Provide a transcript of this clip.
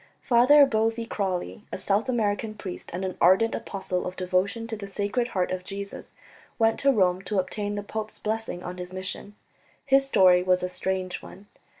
Father Boevey Crawley, a South American priest and an ardent apostle of devotion to the Sacred Heart of Jesus, went to Rome to obtain the pope's blessing on his mission. His story was a strange one.